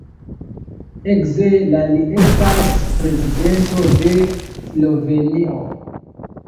Ekde la li estas Prezidento de Slovenio.